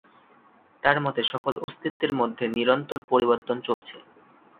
তার মতে সকল অস্তিত্বের মধ্যে নিরন্তর পরিবর্তন চলছে।